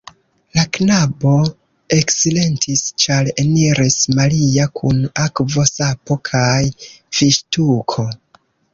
La knabo eksilentis, ĉar eniris Maria kun akvo, sapo kaj viŝtuko.